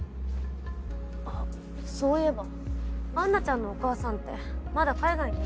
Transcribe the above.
あっそういえばアンナちゃんのお母さんってまだ海外にいるの？